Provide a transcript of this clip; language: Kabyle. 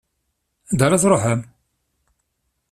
Anda ara tṛuḥem?